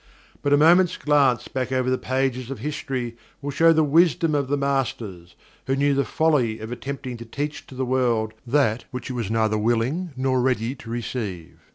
But a moment's glance back over the pages of history will show the wisdom of the Masters, who knew the folly of attempting to teach to the world that which it was neither ready or willing to receive.